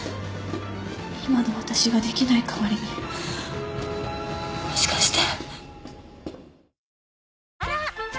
今の私ができない代わりにもしかして。